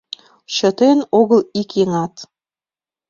Чытен огыл ик еҥат!..